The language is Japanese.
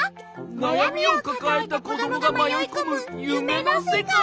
なやみをかかえたこどもがまよいこむゆめのせかい。